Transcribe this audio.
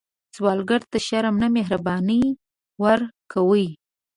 سوالګر ته شرم نه، مهرباني ورکوئ